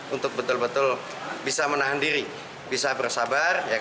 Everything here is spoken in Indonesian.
untuk betul betul bisa menahan diri bisa bersabar